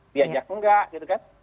diajak nggak gitu kan